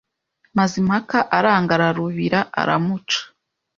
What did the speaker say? Mazimpaka aranga ararubira aramuca,